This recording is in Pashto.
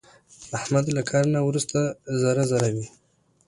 احمد له کار نه ورسته ذره ذره وي.